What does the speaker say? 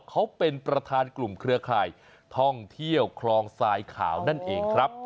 เขาเป็นประธานกลุ่มเครือข่ายท่องเที่ยวคลองทรายขาวนั่นเองครับ